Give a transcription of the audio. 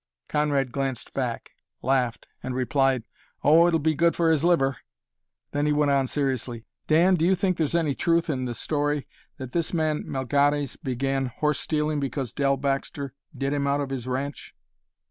Conrad glanced back, laughed, and replied, "Oh, it'll be good for his liver!" Then he went on seriously, "Dan, do you think there's any truth in the story that this man Melgares began horse stealing because Dell Baxter did him out of his ranch?"